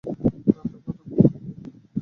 রাতে ভালো ঘুম হয় নি।